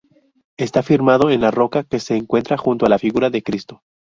Está firmado en la roca que se encuentra junto a la figura de Cristo.